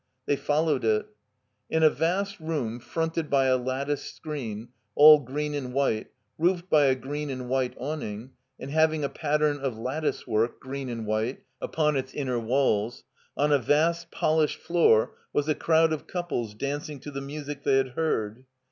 They followed it. In a vast room fronted by a latticed screen, all green and white, roofed by a green and white awning, and having a pattern of latticework, green and white, upon its inner walls, on a vast polished floor was a crowd of couples dancing to the music they had heard.